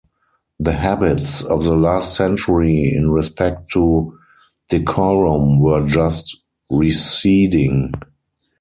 The habits of the last century in respect to decorum were just receding.